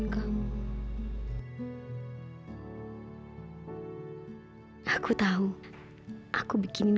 kamu betul betul baik